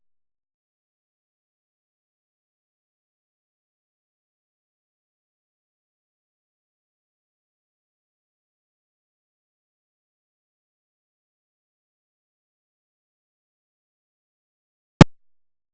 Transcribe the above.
โปรดติดตามต่อไป